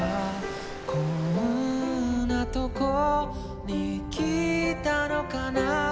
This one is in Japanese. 「こんなとこに来たのかな」